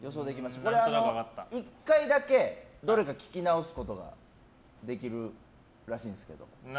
１回だけ、どれか聞き直すことができるらしいんですけど。